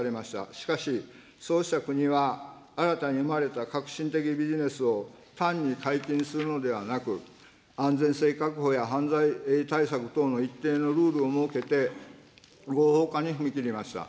しかし、そうした国は新たに生まれた革新的ビジネスを単に解禁するのではなく、安全性確保や犯罪対策等の一定のルールを設けて、合法化に踏み切りました。